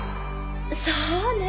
そうね。